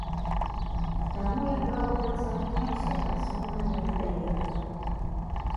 Таму, як гаворыцца, не ўсё так сумна, як здаецца.